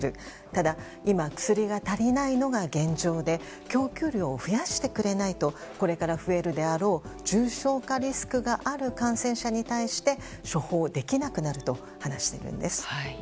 ただ今、薬が足りないのが現状で供給量を増やしてくれないとこれから増えるであろう重症化リスクがある感染者に対して処方できなくなると話しているんです。